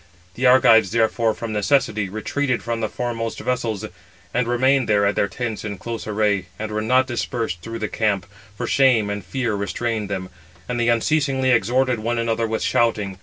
The Argives, therefore, from necessity, retreated from the foremost vessels, and remained there at their tents in close array, and were not dispersed through the camp, for shame and fear restrained them, and they unceasingly exhorted one another with shouting.